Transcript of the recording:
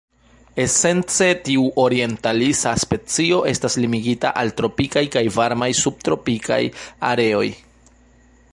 Esence tiu orientalisa specio estas limigita al tropikaj kaj varmaj subtropikaj areoj.